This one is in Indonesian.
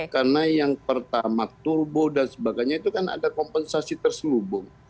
karena yang pertama turbo dan sebagainya itu kan ada kompensasi terselubung